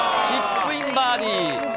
チップインバーディー。